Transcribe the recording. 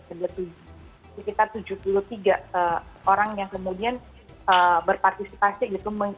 jadi kita tujuh puluh tiga orang yang kemudian berpartisipasi gitu